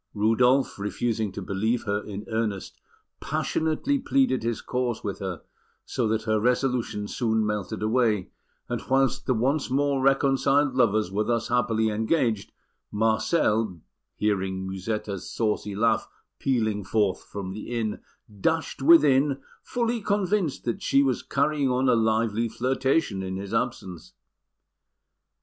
Rudolf, refusing to believe her in earnest, passionately pleaded his cause with her, so that her resolution soon melted away; and whilst the once more reconciled lovers were thus happily engaged, Marcel, hearing Musetta's saucy laugh pealing forth from the inn, dashed within, fully convinced that she was carrying on a lively flirtation in his absence.